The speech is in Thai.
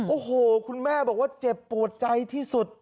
โอ้โหคุณแม่บอกว่าเจ็บปวดใจที่สุด